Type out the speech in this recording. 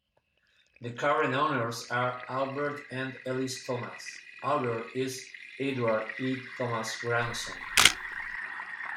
The current owners are Albert and Alice Thomas; Albert is Edward E. Thomas' grandson.